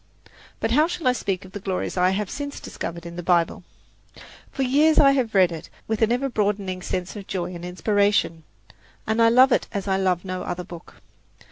But how shall I speak of the glories I have since discovered in the Bible? For years I have read it with an ever broadening sense of joy and inspiration; and I love it as I love no other book.